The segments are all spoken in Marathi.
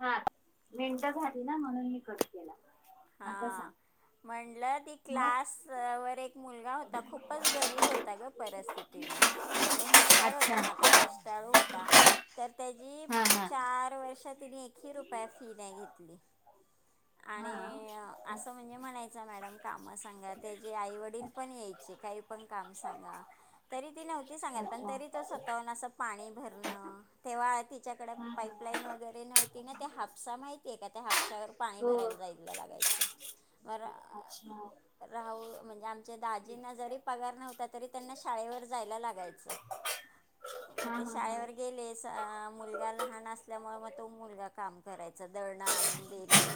हा मिंट झाली ना म्हणून मी कट केला आता सांग. म्हंटलं ती मग क्लास वर एक मुलगा होता खूपच गरीब होता ग परिस्थितीत. आणि हुशार अच्छा होता मात्र कष्टाळू होता तर त्याची हा हा चार, व एक ह रुप फी नाही घेतली आणि ह. असं म्हणजे म्हणायचं मॅडम कामं सांगा त्याचेे आई वडील पण यायचे काही पण काम सांगा. तरी ती नव्हती सांगत पण अच्छा तरी तो स्वतःहून अस पाणी भरणं तेव्हा तिच्याकडे हा हा पाईपलाईन वगैरे नव्हती ना त्या हापसा माहितीये का त्या हापसावर पाणी हो भरायला जाय लागायच अच्छा राहू म्हणजे आमच्या दाजींना जरी पगार नव्हता तरी त्यांना शाळेवर जायला लागायचं. स मग ते शाळेवर गेले मुलगा लहान असल्यामुळे मग तो मुलगा काम करायचा. दळन अनुन देणे.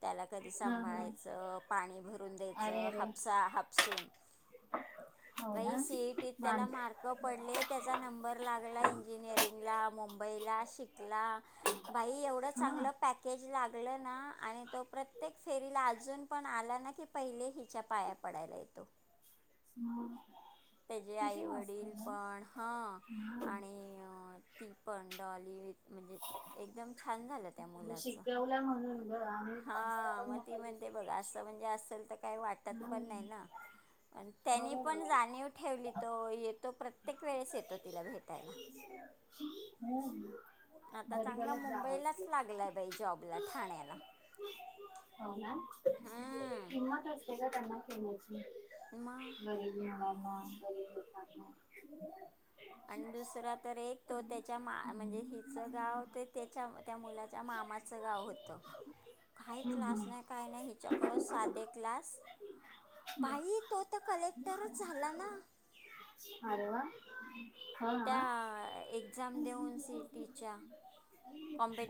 त्याला कधी हा हा सांभाळायचं पाणी भरून द्यायचं हापसा हापसून अच्छा सीईटी त्याला मार्क पडले त्याचा नंबर लागला इंजिनिअरिंगला मुंबई ताई शिकला बाई एवढ हा चांगलं पॅकेज लागल ना आणि त प्रत्येक फेरीला अजून पण आला ना की पहिले हिच्या पाया पडायला येतो. ह त्याचे आई वडील पण हा हा आणि ती पण. ली म्हणजे एकदम छान झाल त्या मुलाच शिकवलं म्हणून ग आम्ही माणसाला हा बघ ना मग म्हण ब परिस्थिती कशी अस म्हणज अस काही वाटत पण हम्म नाहीना त्यांनी बरोबर पण आहे जानिव ठेवली तो येतो प्रत्येक वेळेस येतो तिला भेटायला. हम्म आता चांगला गरिबालाच जाव मुंबईलाच असते लागलाय बाई जॉबला ठाण्याला. हो ना हम्म किंमत असते त्यांना. मग गरीबंदना गरीब लोकांना आणि दुसरा तर एक तो त्याच्या मा म्हणजे हिचं गाव ते त्याच्या त्या मुलाच्या मामाचं गाव होतं. काही हम्म, क्लास नाही काही नाही हिच्याकडे साधे क्लास भाई तो तर कलेक्टरच झाला ना. ह त्या एक्झाम देऊन सईटीच्या.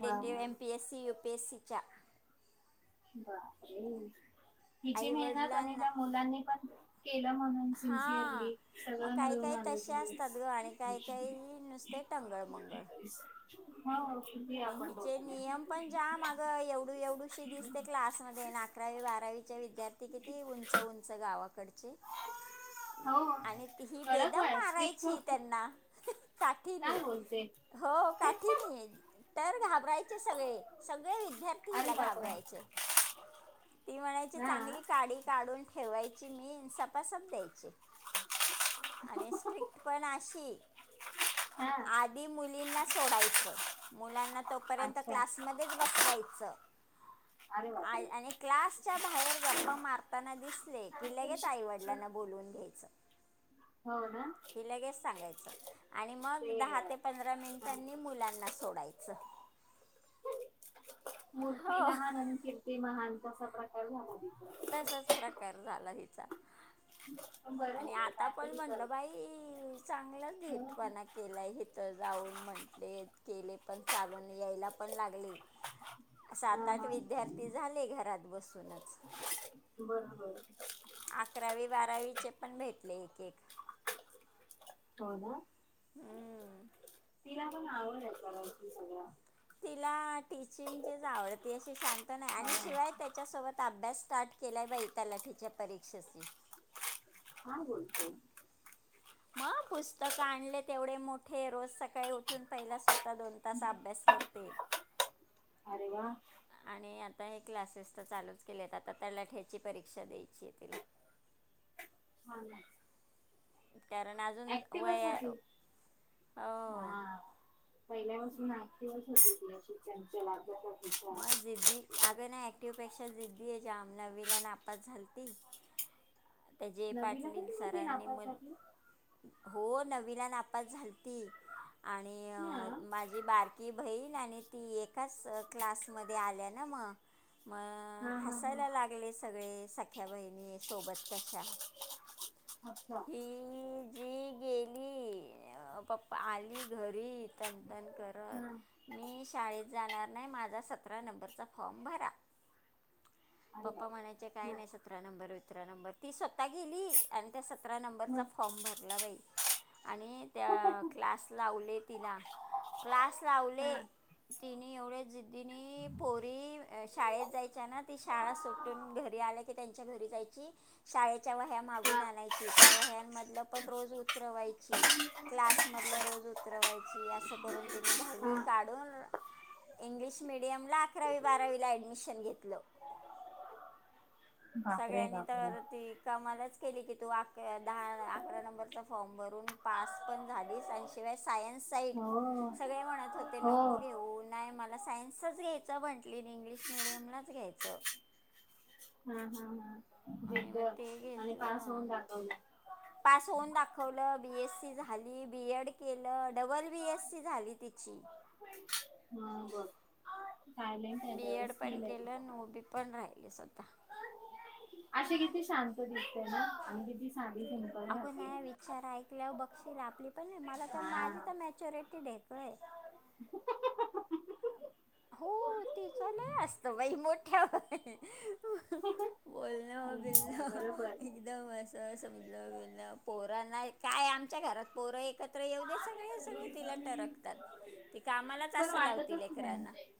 वा वा M P AC U P S सीच्या ब तिची मेहनत आणि त्या मुलांनी पण केलं म्हणून हा सिन्सिअरली मग सगळं काही मिळून काही आलं तसे असतात जोडीस ग आणि काही काही नुसते टंगळ, मंगळ. हो. किती अ आपण हिचे दोघांना नियम पण जाम माग एवढू एवढू श दिसते क्लासमध्ये अकरावी बारावीच्या विद्यार्थी किती उंच उंच गावात. कडचे हो आणि ही कडक बेदम वाळ स्ट्रिक्ट मारायची होते त्यांना काठीनी काय बोलते हो काठी नी तर घाब घाबरायचे सगळे सगळे विद्यार्थी अरे हिला बापरे घाबरायचे. ती म्हणायची हा चांगली काडी काढून ठेवायची. त्या मी सपासप द्यायची आणि स्ट्रिक्ट पण अशी हा आधी मुलींना सोडायचं मुलांना. तोपर्यंत क्लासमध्येच बसवायचं. अर आ आणि क्लासच्या बाहेर गप्पा मारताना दिसले की लगेच आईवडिलांना बोलून घेयच डमतथथद़ [unintelligible] हो का क लगे सांगायचं आणि मग दहा ते पंधरा मिनिटांनी मुलांना सोडायचं मूर्ती हो लहान आणि कीर्ती महान क प्रकार झाला तसाच प्रकार झाला हिचा [unintelligible] आणि आहे आता पण काहीतरी कर म्हटलं बाई चांगलंच हा धेटपणा केलाय हथ जाऊन म्हटले केले पण चाल यायला पण लागले सात आठ हा विद्यार्थी झाले घरात बसूनच बरोबर अकरावी बारावीचे पण भेटले एक एक हो का हम्म तिला पण आवड आहे त्या सगळं तिला टीचिंग जे आवडते अशी शांत नाही आणि हा शिवाय त्याच्यासोबत अभ्यास स्टार्ट केलाय बाई तलाठीच्या परीक्षेचे हो मग पुस्तक आणले तेवढे मोठे रोज सकाळी उठून पहिला स्वतः आता दोन तास अभ्यास करते अरे वा हा आणि आता हे क्लासेस तर चालूच केले आहेत आता त्याला ठ्याची परीक्षा द्यायची आहे तिला हा ना कारण अजून ऍक्टिव्हच वया. होती हा पहिल्यापासून आठ दिवस होते असे चटके लागत होते. मग जिद्दी अगं ना ऍक्टिव पेक्षा जिद्दी जाम नवीला नापात झाला. त्या जे नववीला पाटीलील कधी होती सरांनी म नापासाठी हो न नववीला नापात झालती आणि हा माझी बारकी बहील आणि ती एकाच क्लासमध्ये आल्या ना मग मग हा हा हा हसायला लागले सगळे सख्या बहिणी सोबत कशा अच्छा ही जी गेली पप्पा आली घरी करत हा मी शाळेत जाणार नाही माझा सतरा नंबरचा फॉर्म भरा अरे पप्पा म्हणायचे बापरे काय हा नाही सतरा नंबर विचरा नंबर ती स्वतः गेली आणि त्या अतरा हो नंबरचा फॉर्म भरला बाई आणि त्या क्लास लावले तिला क्लास लावले तिने तिनी पोरी शाळेत जायच्या ना ती शाळा सुटून घरी आल्या की त्यांच्या घरी जाय शाळेच्या वह्या मागून आणायची त्या वह्यांमधलं पण रोज उतरवायची क्लास मधलं रोज उतरवायची असं करून त्यांनी दहावी काढून इंग्लिश मिीडियम ला अकरावी बारावीला ऍडमिशन घेतलं. सगळ्यांनी तर ती कामालाच केली की तूक दहा अकरा नंबरचा फॉर्म भरून पास पण झालीस आणि हो शिवाय म्हणत हो हा नको घेऊन तच घ्यायच म्हंटली इंग्लिश मिीडियमलाच घ्यायचं. हम हम हम आणि म ते घेतलं दाखवलं पास होऊन दाखवलं बीएससी झाली बीएड केलं डबल बी एस सी झाली तिची टायलेंट बी एड पण आहे. केलं आणि उभी पण राहिली स्वतः अे किती शांत दिसते ना आणि किती शांत अगो विचार ऐकल्यावर बघशील आपली पण मला तर हा माझी तर मेच्युरिटी काय आआआ हो तिच नाही असत बाई मोठ्या हो बोलण बेल एकदम असं समजलं बेल पोरा नाही काय आमच्या घरात पोरं एक एवढे सगळे सगळे तिला टरकतात ती कामालाच पण असं लावतील वाटतच लेकरांना नाही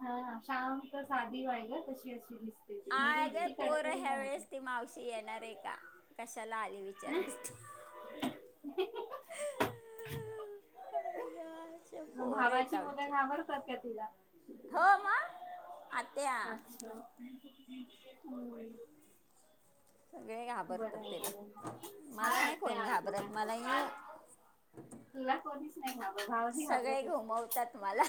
हा श्याम साधी व्हायग तशी असली. हग पोर ह्या वेळेस ती मावशी येणार आहे का कशाला आली विचार आई गं, असे ह पोरं आहेत भावाची मुलं आमचे घाबरतात का तिला हो मग आत्या अच्छा सगळे बर घाबरतात बर तिला छान मला नाही वाटते कोण ऐकून. घाबरत मला येऊ तुला कोणीच नाही सगळे घाबरत हहहहह घुमवतात मला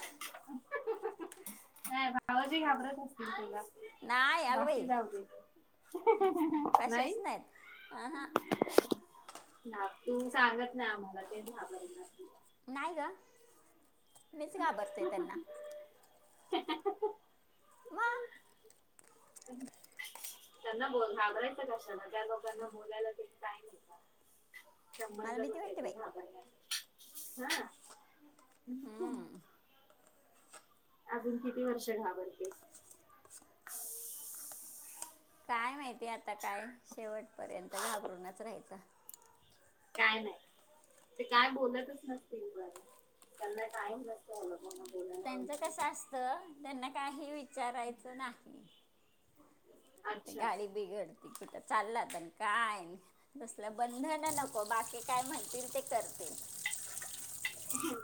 ह भावाजी घाबरत असतील तुला नाही अगं बाकी बाई जाऊ दे. हहहह नाही. अह ना तू सांगत ना आमला ते घबरणार निच का आबरते त्यांना मग हम् [unintelligible] त्यांना बोल घाबरायचं कशाला त्या लोकांना बोलायला टाईम हो का मला संबंध भीती कुठे वाटते येतो बाई घाबरायला हा हम्म. अजून किती वर्ष घाबरतेस काय माहितीय आता काय शेवट पर्यंत घाबरूनच राहायचं काय नाही ते काय बोलतच नसतील त्यांना काही नसत त्यांचं कसं असतं त्यांना काही विचारायचं नाही अच्छा गाडी बिघडती कुठ चाललात काय तसलं बंधन नको बाकी काय म्हणतील ते करतील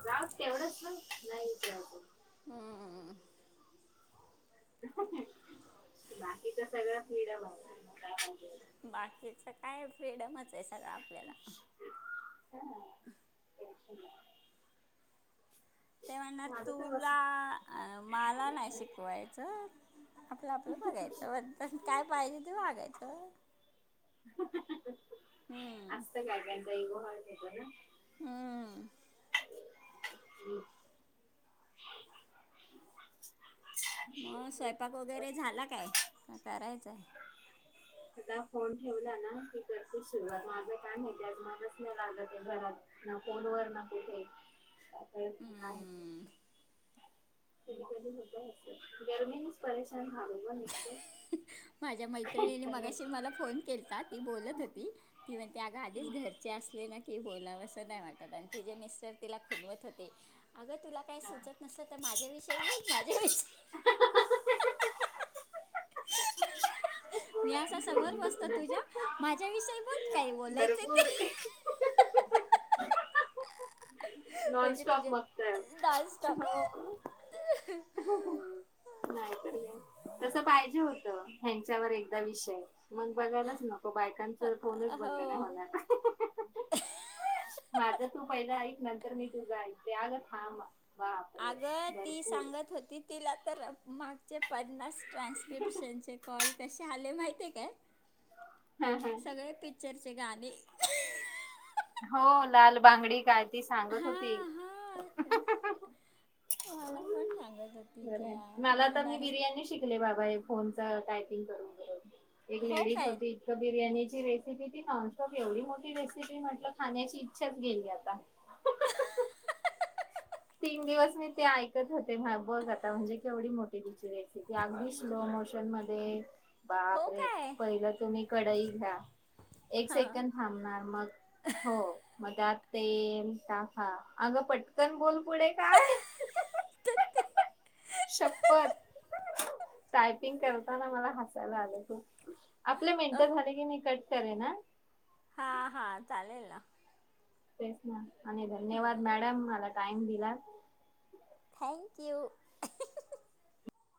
जाऊ एवढंच नाहीचत हम्मम बाकीच सगळंच फ्रिडम आहे बाकीच काय फ्रीडमच ते सगळं आपल्याला हा. [inaudible] ते म्हणणार माझं तर बस तुला माला नाही शिकवायचं आपलं आपलं बघायचं फक्त काय पाहिजे ते मागायचं असत काही काहि चा ईगो हर्ट होतो ना हम्म हम् [unintelligible] मग स्वयंपाक वगैरे झाला काय करायचंय तूझा फोन ठेवला ना की करते सुरुवात माझं काय माहिती आज मनच नाही लागलं ते घरात ना फोन वर ना कुठे हम्म. हो गरमी पर माझ्या [unintelligible] ह नि [unintelligible] मैत्रिणीने मगाशी मला फोन केलती ती बोलत होती किंवा त्या आधीच घरचे असले ना की बोला अस नाही वाटत आणि ति जे मिस्टर तिला खुनवत होते अगतुला काही सुचत नसल तर माझ्या विषयी बोल माझ्या विषय म [unintelligible] समोर बसतो तुझ्या माझ्या हा. विषयी ब काही बोलायचं ते भरपूर म्हणजे नाॉनस््टॉप तुझे मगत डान्स स्टॉप का [unintelligible] नाही तस पाहिजे होत ह्यांच्यावर एकदा विषय मग बघायलाच नको बायकां फोनच हो बंद नाही होणार माझ तू पहिलं ऐक नंतर मी तुझा ऐक ते अग थांब अगं बापरे ती भरपूर सांगत होती तिला तर मागचे पन्नास ट्रान्सक्रिपश्न चे कॉल कसे आले माहिती का सगळे पिक्च तेचे गाणी हो लाल बांगडी काय ती सांगत होती हां हां मला पण सांगत होती की बर या मला तर म्हटलं मी अरे बिर्याणी शिकले बाबा हे फोन ले हो हो इ काय ब [unintelligible] रेसिपी ती नॉनस्ॉप एवढी मोठी रेसिपी म्हटल खाण्याची इच्छाच गेली आता तीन दिवस मी ते ऐकत होते बघ आता म्हणजे केवढी मोठी तिची रयची की अगदी स्लो मोोशन मध्ये बाप हो रे काय पहिलं तुम्ही कडाई घ्या एक हां सेकड थांबणार मग हो मजात तेल टा अग पटकन बोल [unintelligible] पुढे काय तर शपथ टायपिंग करताना मला हसायला आलं खूप आपले मिेनट झाले की मी कट करे ना हा हा चालेल ना तेच ना आणि धन्यवाद मॅडम मला टाईम दिला थँक यू